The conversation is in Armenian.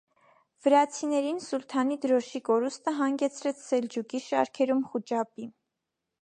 Վրացիներին սուլթանի դրոշի կորուստը հանգեցրեց սելջուկի շարքերում խուճապի։